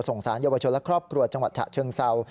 สารเยาวชนและครอบครัวจังหวัดฉะเชิงเศร้า